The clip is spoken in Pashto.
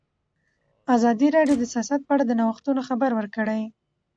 ازادي راډیو د سیاست په اړه د نوښتونو خبر ورکړی.